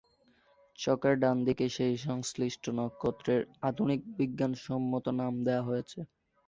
ছকের ডানদিকে সেই সংশ্লিষ্ট নক্ষত্রের আধুনিক বিজ্ঞানসম্মত নাম দেওয়া হয়েছে।